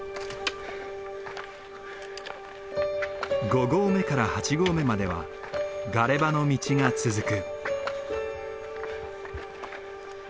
５合目から８合目まではガレ場の道が続く。